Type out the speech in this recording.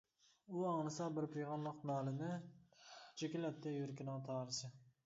ئۇ ئاڭلىسا بىر پىغانلىق نالىنى، چېكىلەتتى يۈرىكىنىڭ تارىسى.